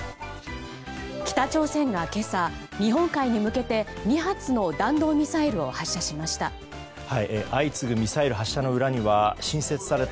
北朝鮮が今朝、日本海に向けて２発の弾道ミサイルを発射しました。